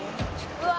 うわ！